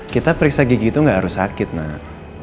kita periksa gigi itu nggak harus sakit nak